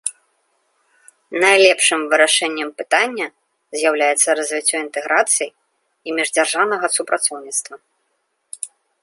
Найлепшым вырашэннем пытання з'яўляецца развіццё інтэграцыі і міждзяржаўнага супрацоўніцтва.